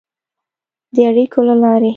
د اړیکو له لارې